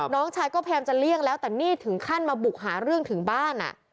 น้องชายก็พยายามจะเลี่ยงแล้วแต่นี่ถึงขั้นมาบุกหาเรื่องถึงบ้าน